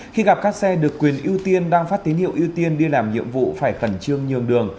khi gặp các xe được quyền ưu tiên đang phát tín hiệu ưu tiên đi làm nhiệm vụ phải khẩn trương nhường đường